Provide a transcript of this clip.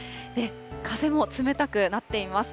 風も冷たくなっています。